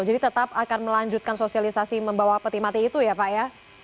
tetap akan melanjutkan sosialisasi membawa peti mati itu ya pak ya